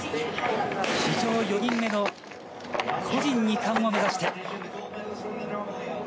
史上４人目の個人２冠を目指して。